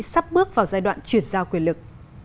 sắp bước vào giai đoạn chuyển giao quyền lực